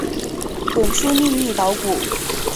滚出粒粒稻谷